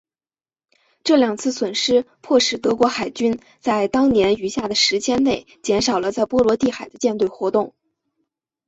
这两次损失迫使德国海军在当年余下的时间内减少了在波罗的海的舰队活动。